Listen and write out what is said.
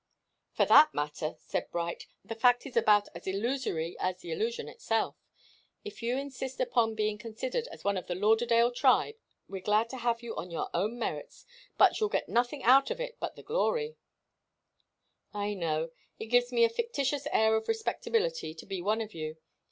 "For that matter," said Bright, "the fact is about as illusory as the illusion itself. If you insist upon being considered as one of the Lauderdale tribe, we're glad to have you on your own merits but you'll get nothing out of it but the glory " "I know. It gives me a fictitious air of respectability to be one of you.